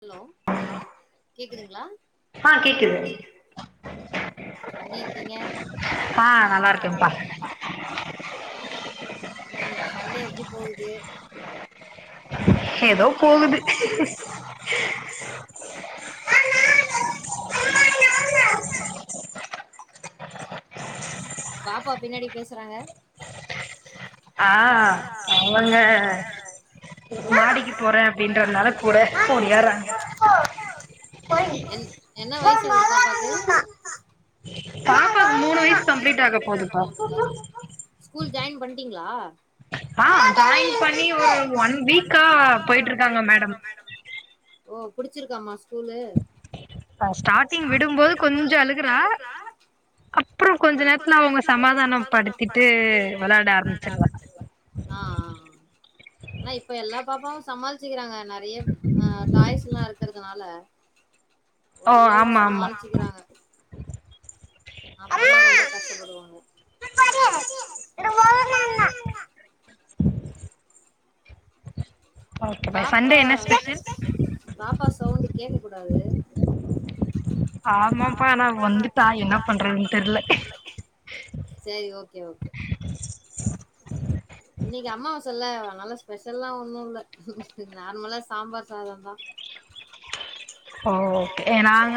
hello கேக்குதுங்ளா ஆ கேக்குது எப்டிருக்கீங்க ஆ நல்லாருக்கேன்பா ன்ன இன்னைக்கி சண்டே எப்டி போவுது எதோ போகுது பாப்பா பின்னடி பேசுறாங்க ஆ அவுங்க மாடிக்கி போறே அப்டின்றதுனால கூட ஏர்றாங்க [unintelligible] பாப்பாக்கு மூணு வயிசு கம்ப்ளீட்டாக போதுப்பா ஸ்கூல் ஜாயின் பண்ட்டீங்ளா ஆ ஜாயின் பண்ணி ஒரு ஒன் வீக்கா போயிட்ருக்காங்க மேடம் ஓ புடிச்சிருகாமா ஸ்கூலு அ ஸ்டார்டிங் விடும்போது கொஞ்சோ அழுகுறா அப்றோ கொஞ்ச நேரத்ல அவுங்க சமாதானம் படுத்திட்டு வெள்லாட அரம்ச்சிருவா ஆ ஆ ஆனா இப்ப எல்லா பாப்பாவு சமாளிச்சிக்கிறாங்க நறைய ஆ டாய்ஸ்லா இருக்குறதுனால ஓரளவு சமாளிச்சிக்கிறாங்க அப்பலா ரொம்ப கஷ்டபடுவாங்க திரும்பவு னன பாப்பா பாப்பா சவுண்டு கேக்க கூடாது ஆமாபா இவ வந்துடா என்ன பண்றதுன் தெர்ல சேரி ஓகே ஓகே இன்னிக்கி அம்மாவாசல்ல அனால ஸ்பெஷல்லா ஒன்னுல்ல நார்மலா சாம்பார் சாதோ தா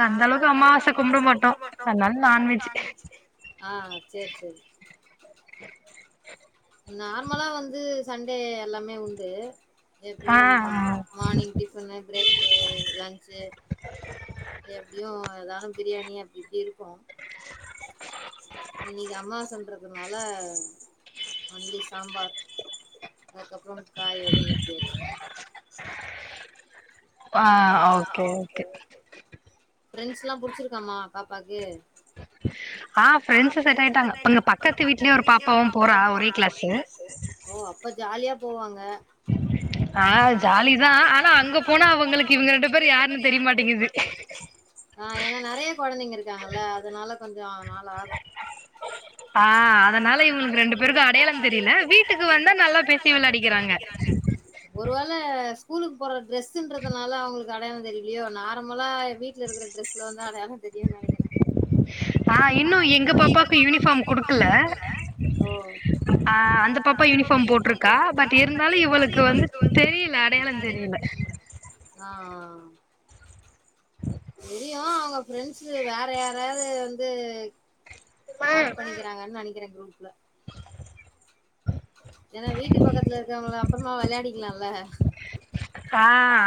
நாங்க அந்த அளவுக்கு அம்மாவாச கும்புட மாட்டோ அதுனால நான்வெஜ் ஆ சேரி சேரி நார்மலா வந்து சண்டே எல்லாமே உண்டு எப்பியு மார்னிங் டிஃபனு பிரேக்ஃபா லஞ்சு எப்டியு எதாவ் பிரியாணி அப்டி இப்டிருக்கு இன்னிக்கி அம்மாவாசன்றதுனால ஒன்லி சாம்பார் அதுக்கப்றோ காயோடு வெட்டியாச் ஃப்ரண்ட்ஸ்லா புடிச்சிருக்காமா பாப்பாக்கு ஆ ஃபிரண்ஸு செட்டாயிடாங்க கொஞ்ச பக்கத்து வீட்லயு ஒரு பாப்பாவு போறா ஒரே கிளாசு ஓ அப்ப ஜாலியா போவாங்க ஏனா அவுங்களுக் இவுங்க ரெண்டு பேரு யாருனு தெரியமாட்டேங்கிது ஆ ஏனா நறைய கொழந்தைங்க இருக்காங்கல்ல அதனால கொஞ்சோ நாளாகு ஆ அதனால இவுங்களுக்கு ரெண்டு பேருக்கு அடையாள தெரில வீட்டுக்கு வந்து நல்லா பேசி விளயாடிக்கிறாங்க ஒரு வேள ஸ்கூலுக் போற ட்ரெஸ்ன்றது துனால அவுங்களுக்கு அடையாள தெரியிலியோ நார்மலா வீட்லருக்குற ட்ரெஸ்ல வந்தா அடையாளோ தெரியுன் நெனக்கிறே ஆ இன்னு எங்க பாப்பாக்க் யூனிஃபார்ம் குடுக்கல ஆ அந்த பாப்பா யூனிஃபார்ம் போட்ருக்கா பட் இருந்தாலு இவளுக்கு வந்து தெரில அடையாளோ தெரில ஆ ஆ ம் தெரியு அவுங்க ஃப்ரெண்ட்ஸு வேற யாரையாவது வந்து ஆட் பண்ணிக்கிறாங்கன் நெனைக்கிற குரூப்ல ஏன்னா வீட்டு பக்கத்துல இருக்கவங்கள அப்பறமா வெளையாடிக்கலால்ல ஆ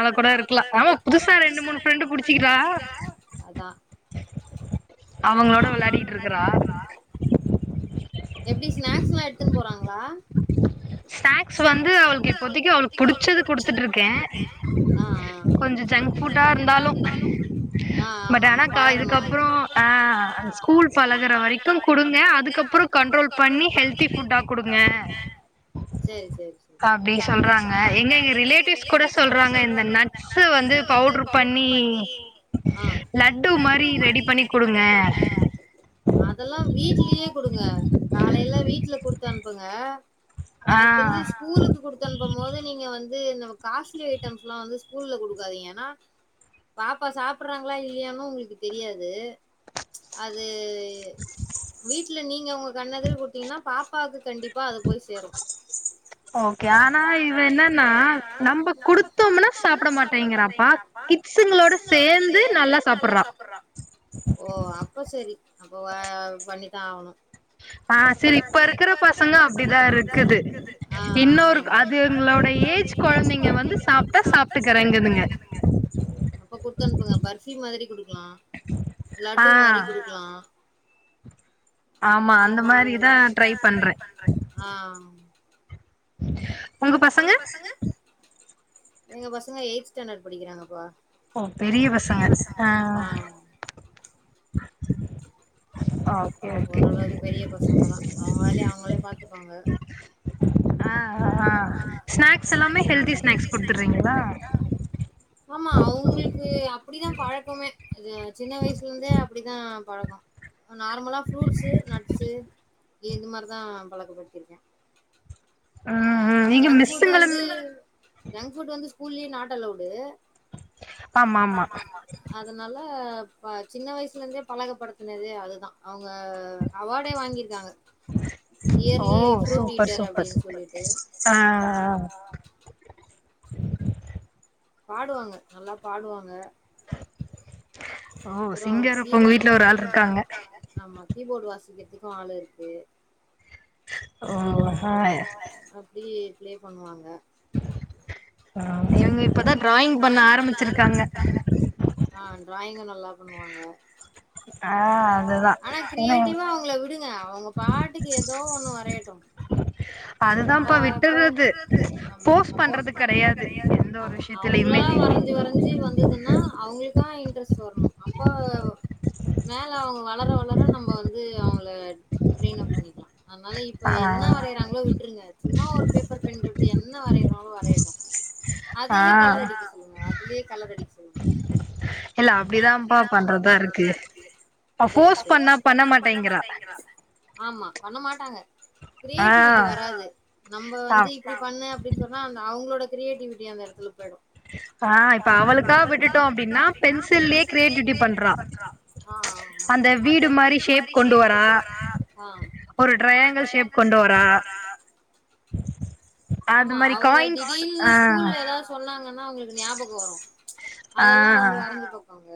அதனால கூட இருக்கலா ஆமா புதுசா ரெண்டு மூணு ஃப்ரெண்டு புடிச்சிக்கிறா அதா அவங்களோட வெளாடிட்டு இருக்கறா எப்டி ஸ்நாக்ஸ்லா எடுத்துன் போறாங்களா ஸ்நாக்ஸ் வந்து அவளுக்கு இப்போதிக்கு அவளுக்கு புடிச்சது குடுத்துட்ருக்கே கொஞ்ச ஜங்க் ஃபுட்டா இருந்தாலு பட் ஆனாக்கா இதுக்கப்றோ ஆ ஸ்கூல் பழகுற வரைக்கு குடுங்க அதுக்கப்புறோ கன்ட்ரோல் பண்ணி ஹெல்தி ஃபுட்டா குடுங்க செரி செரி செரி அப்டி சொல்றாங்க எங்க எங்க ரிலேட்டிவ்ஸ் கூட சொல்றாங்க இந்த நட்சு வந்து பவுட்ரு பண்ணி லட்டு மாரி ரெடி பண்ணி குடுங்க அதல்லா வீட்லியே குடுங்க காலயில வீட்ல குடுத்தனுப்புங்க எனக்கு தெரிஞ்சி ஸ்கூலுக்கு குடுத் தனுப்பும்போது நீங்க வந்து நம்ம காஸ்ட்லி ஐட்டம்ஸ்லா வந்து ஸ்கூல்ல குடுக்காதீங்க ஏன்னா பாப்பா சாப்படுறாங்களா இல்லயானு உங்களுக்கு தெரியாது அது வீட்ல நீங்க உங்க கண்னேதிர் குடுத்தீங்கன்னா பாப் கண்டிப்பா அது போய் சேரு ஓகே ஆனா இவ என்னன்னா நம்ப குடுத்தோம்னா சாப்ட மாட்டேங்கிறாப்பா கிட்ஸூங்களோட சேந்து நல்லா சாப்பறா ஓ அப்ப சேரி அப்ப பண்ணிதா ஆவனு ஆ செரி இப்ப இருக்கற பசங்க அப்டிதா இருக்குது இன்னோரு அதுங்களோட ஏஜ் கொழந்தைங்க வந்து சாப்டா சாப் சாப்படுக்கறேங்குதுங்க அப்ப குத்தனுப்புங்க பர்பி மாதிரி குடுக்கலா லட்டு மாரி குடுக்கலா ஆமா அந்த மாரிதா ட்ரை பண்றே உங்க பசங்க எங்க பசங்க எய்த் ஸ்டாண்டர்ட் படிக்கிறாங்கப்பா ஓ பெரிய பசங்க ஓகே ஓகே ஸ்நாக்ஸ் எல்லாமே ஹெல்தி ஸ்நாக்ஸ் குடுத்துர்றீங்களா ஆமா அவ்ங்களுக்கு அப்டிதா பழக்கமே இது சின்ன வயசுல இந்தே அப்டிதா பழக்கோ நார்மலா ஃப்ரூட்சு நட்சு இது மாரிதா பழக்கப்படுத்தியிருக்கே ஜங்க் புட் வந்து ஜங்க் புட் வந்து ஸ்கூல்லியே நாட் அல்லோடு ஆமாமா அதுனால சின்ன வயசுல இருந்தே பழக்கப்படுத்னதே அதுதா அவங்க அவார்டே வாங்கிருக்காங்க இயர்லி ஃப்ரூட் ஈட்டர் அப்டின்னு சொல்லி ட்டு ஆ ஆ பாடுவாங்க நல்லா பாடுவாங்க ஓ சிங்கர் அப்ப உங்க வீட்டுல ஒரு ஆள்ருக்காங்க ஆமா கீபோர்டு வாசிக்கர்துக்கு ஆள் இருக்கு அப்டியே பிளே பண்ணுவாங்க இவங்க இப்பதா டிராயிங் பண்ண ஆரம்பிச்சிருக்காங்க ஆ டிராயிங்கு நல்லா பண்ணுவாங்க ஆனா கிரியேட்டிவா அவங்களவிடுங்க அவங்க பாட்டுக்கு ஈதோ ஒன்னு வரையட்டு அப்டிதா விட்டுர்றது ஃபோர்ஸ் பண்றது கெடையாது ஆமா அவுங்ளா வரஞ்சி வரஞ்சி வந்துதுனா அவுங்கிள் தா இன்ட்ரெஸ்ட் வர்ணு அப்ப மேல அவுங்க வளர வளர நம்ப வந்து அவுங்கள ட்ரெயினப் பண்ணிக்கிலா அன்னால இப்ப என்ன வரைறாங்ளோ விட்ருங்க சும்மா ஒரு பேப்பர் பெண் குடுத்து என்ன வரைறாங்ளோ வரையட்டு அதையே கலரடிக்க சொல்லுங்க அதுலியேக் கலரடிக் சொல்லுங்க இல்ல அப்டிதாம்ப்பா பண்றதா இருக்கு அவ ஃபோர்ஸ் பண்ணாப் பண்ண மாட்டேங்கிறா ஆமா பண்ண மாட்டாங்க கிரியேட்டிவிட்டி வராது நம்ப வந்து இப் இப்டி பண்ணு அப்டின் சொன்னா அந்த அவுங்ளோட கிரியேட்டிவிட்டி அந்த எடத்துல போய்டு அ இப்ப அவளுக்கா விட்டுட்டோ அப்டினா பென்சில்லியே கிரியேட்டிவிட்டி பண்றா அ அ அ அ அந்த வீடு மாரி ஷேப் கொண்டு வரா அ ஒரு ட்ரையாங்கிள் ஷேப் கொண்டு வரா ஆமா அவுங்க திடீல்னு ஸ்கூல்ல எதாச் சொன்னாங்கன்னா அவுங்ளுக்கு ஞாபகோ வரு அதெல்லா வந்து வரஞ்சிப் பப்பங்க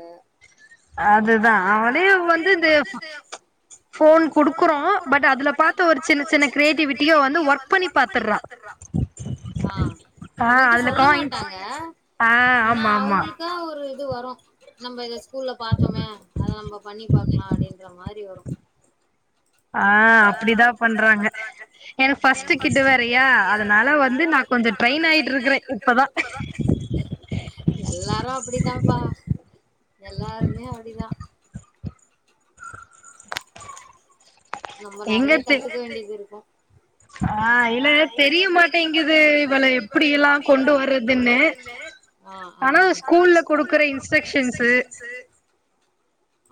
அதுதா அவனே வந்து தேபு ஃபோன் குடுக்குறோ பட் அதுலப் பாத்த ஒரு சின்ன சின்ன கிரியேட்டிவிட்டியோ வந்து ஒர்க் பண்ணி பாத் ஆ நம்மகிட்ட சொல்ல மாட்டாங்க ஆனா அவுங்குளுக் தா ஒரு இது வரு நம்ப இத ஸ்கூல்ல பாத் தொமே அத நம்பப் பண்ணிப் பாக்லா அப்டின்ற மாரி வரு ஆ அப்டிதாம் பண்றாங்க என் ஃபஸ்ட்டு கிட்டு வேறயா அதனால வந் இந்து நா கொஞ்சோ ட்ரெயினாயிட்ருக்கறே இப்பதா எல்லாரு அப்டிதாம்ப்பா எல்லாருமே அப்டிதா நம்ப நெறைய கத்துக்க வேண்டிதுருக்கு ஆ இல்ல தெரிய மாட்டேங்கிது இவள எப்டியெலாக் கொண்டு வறதுன்னு ஆ ஆ ஆனா ஸ்கூல்ல குடுக்கற இன்ஸ்டரக்ஷன்ஸு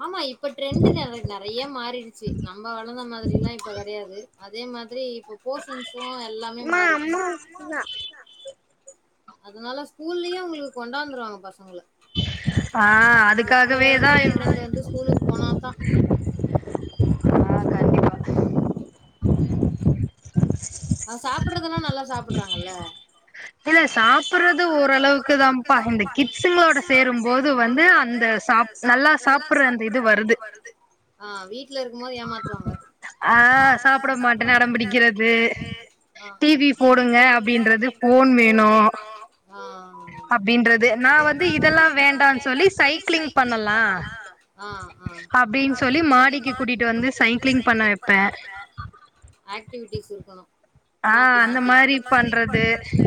ஆமா இப்ப ட்ரெண்டு் நெறக் நெறைய மாறிடுச்சி நம்ப வளந்த மாதிரிலா இப்ப கெடையாது அதே மாதிரி இப்புப் போஷன்சு எல்லாமே மாறிட்ச்சு அதனால ஸ்கூல்லியு அவுங்ளு கொண்டாந்துருவாங்க பசங்கள இப்ப இருக்றப் [unintelligible] வந்து ஸ்கூலுக்கு போனாத்தா அ சாப்பிட்றதெல்லா நல்லா சாப்பிட்றாங்கல்ல இல்ல சாப்புர்றது ஓரளவுக்குதாம்ப்பா இந்த கிட்ஸுங்ளோட சேரும்போது வந்து அந்தச் அந்த சாப் நல்லா சாப்பிர்ற அந்த இது வருது ஆ வீட்ல இருக்கும்மோது ஏமாத்துவாங்க தே டி வி போடுங்க அப்டின்றது ஃபோன் வேணு அப்டின்றது நா வந்து இதெல்லா வேண்டான் சொல்லி சைக்ளிங் பண்ணலா அப்டின் சொல்லி மாடிக்கி கூட்டிட்டு வந்து சைக்ளிங் பண்ண வெப்பே ஆக்டிவிட்டிஸ் இருக்குணு அ அந்த மாரிப் பண்றது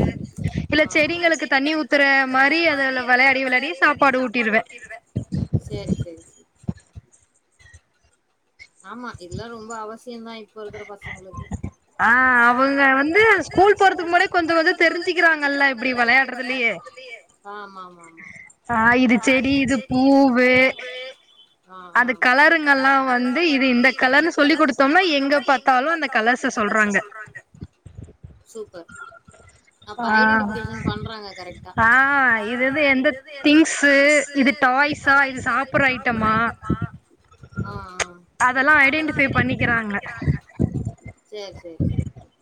இல்ல செடிங்களுக்குத் தண்ணி ஊத்தற மாரி அதல வெளையாடி விளையாடி சாப்பாடு ஊட்டிருவே ஆமா இல்லா ரொம்ப அவசியந்தா இப்போ இருக்கற பசங்ளுக்கு ஆ அவங்க வந்து ஸ்கூல் போறதுக்கு முனாட் கொஞ்சோ கொஞ்சோ தெரிஞ்சிக்கிறாங்கல்ல இப்டி வெளையார்றத்துக்குதில்லியே தா இதுச் செடி இதுப் பூவு அந்தக் கலருங் கல்லா வந்து இது இந்தக் கலர்னு சொல்லி்க் குடுத்தோம்னா எங்கப் பாத்தாலு அந்தக் கலர்ஸ சொல்றாங்க சூப்பர் அப்ப ஐடென்டிஃபிகேஷன் பண்றாங்க கரெக்ட்டா டாய்ஸா இது சாப்புட்ற ஐட்டமா அதெல்லா ஐடென்டிஃபை பண்ணிக்குறாங்க சேர் சேர் சேர் சேரி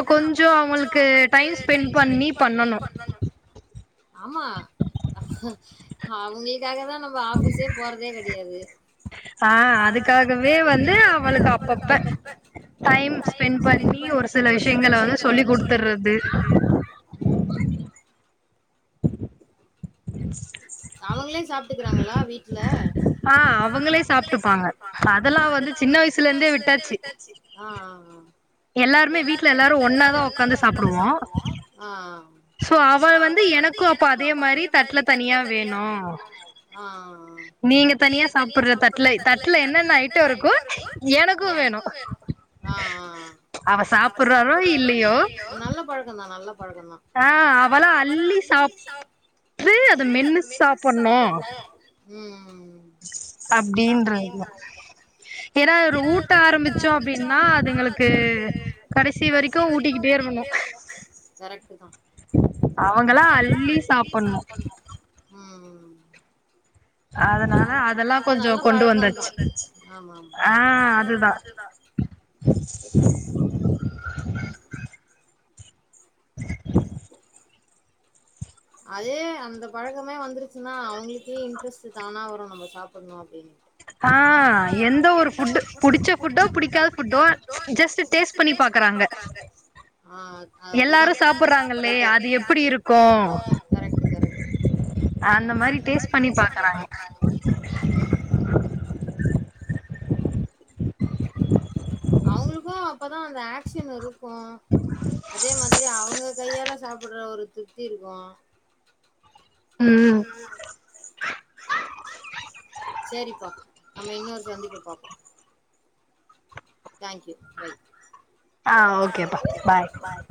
ஏனா நம்ம கொஞ்சோ அவங்களுக் கு டைம் ஸ்பெண்ட் பண்ணி பண்ணனு ஆமா அவங்களுக்காக தா நம்ம ஆஃபிஸே போறதே கெடயாது ஆ அதுக்காகவே வந்து அவளுக் அப்பப்ப டைம் ஸ்பெண்ட் பண்ணி ஒரு சில விஷயங்கள் வந்து சொல்லி குடுத்துர்றது ம் ம் அவங்களே சாப்ட்டுக்குறாங்களா வீட்ல ஆ அவங்களே சாப்ட்டுப்பாங்க அதெல்லா வந்து சின்ன வயசுலருந்தே விட்டாச்சு ஆ ஆ ஆ எல்லாருமே வீட்ல எல்லாரு ஒன்னாதா ஒக்காந்து சாப்டுவோ சோ அவ வந்து எனக்கு அப்ப அதே மாரி தட்டுல தனியா வேணு நீங்க தனியா சாப்புட்ற தட்ல தட்ல என்னென்ன ஐட்டோ இருக்கோ எனக்கு வேணு ஆ ஆ ஆ நல்ல பழக்கந்தா நல்ல பழக்கந்தா ஆ அவளா அள்ளி சாப்ட்டு அத மென்னு சாப்புட்ணு ம் ம் ம் சாப்டேங்றக்கு ஏனா அத ஊட்ட ஆரம்பிச்சோ அப்டின்னா அதுங்களுக்கு கடைசி வரைக்கு ஊட்டிக்கிட்டே இருக்கணு அவங்களா அள்ளி சாப்புட்னு ம் ம் ஆனா நல்ல பழக்கந்தா ஆமா ஆமா அதே அந்த பழக்கமே வந்துருச்சுன்னா அவங்களுக்கே இன்ட்ரெஸ்ட் தானா வரு நம்ம சாப் புனோ அப்டின்டு ஆ எந்த ஒரு ஃபுட்டு புடிச்ச ஃபுட்டோ புடிக்காத ஃபுட்டோ ஜெஸ்ட் டேஸ்ட் பண்ணி பாத் துறாங்க எல்லாரு சாப்புட்றாங்களே அது எப்புடி இருக் கரெக்ட்டு கரெக்ட்டு அந்த மாரி டேஸ்ட் பண்ணி பாக்குறாங்க அவுங்களுக்கு அப் அப்பதா அந்த ஆக்சன் இருக்கு அதே மாதிரி அவங்க கையால சாப்பிட்ற ஒரு தி இருக்கு ம்ம் செரிப்பா நம்ம இன்னொரு சந்திப்பு பாப்போ ஆ ஓகே பா பாய்